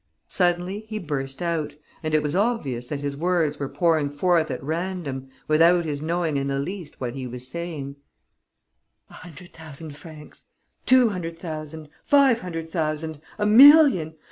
Suddenly he burst out; and it was obvious that his words were pouring forth at random, without his knowing in the least what he was saying: "A hundred thousand francs! Two hundred thousand! Five hundred thousand! A million!